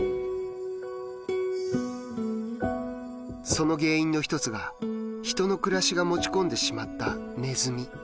その原因の一つが人の暮らしが持ち込んでしまったネズミ。